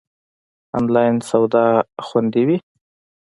آنلاین سودا خوندی وی؟